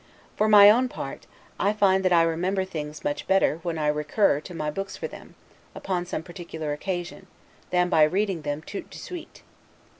For my own part, I find that I remember things much better, when I recur, to my books for them, upon some particular occasion, than by reading them 'tout de suite'.